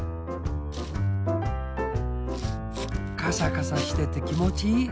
カサカサしててきもちいい。